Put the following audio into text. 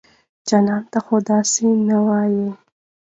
جانانه ته خو داسې نه وې